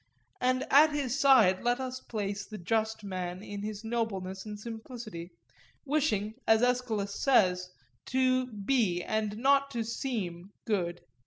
And at his side let us place the just man in his nobleness and simplicity, wishing, as Aeschylus says, to be and not to seem good.